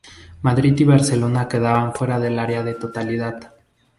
Madrid y Barcelona quedan fuera del área de totalidad.